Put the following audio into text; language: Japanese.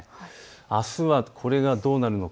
あすはこれがどうなるのか。